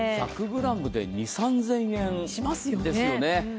１００ｇで２０００３０００円しますよね。